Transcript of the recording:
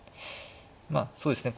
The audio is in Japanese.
まあそうですね